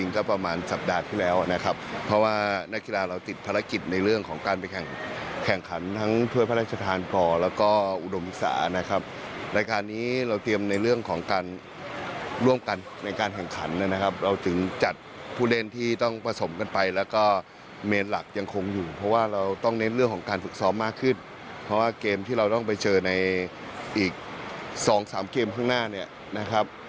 ครับมาให้เราเน้นเรื่องของการฝึกซ้อมมากขึ้นเพราะว่าเกมนี่ที่เราต้องไปเจอในอีก๒๓เกมนะครับ